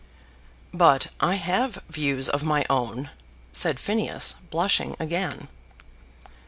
"But I have views of my own," said Phineas, blushing again.